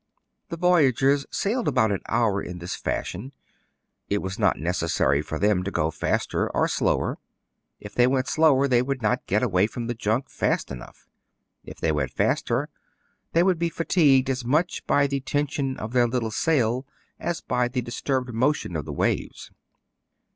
. The voyagers sailed about an hour in this fash ion. It was not necessary for them to go faster or slower : if they went slower, they would not get away from the junk fast enough ; if they went faster, they would be fatigued as much by the ten sion of their little sail as by the disturbed motion of the waves.